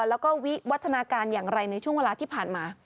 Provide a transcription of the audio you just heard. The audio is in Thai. แล้วก็วิวัฒนาการอย่างไรในช่วงเวลาที่ผ่านมา